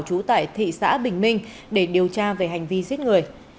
trú tại thị xã bình minh để điều tra về hành vi giết người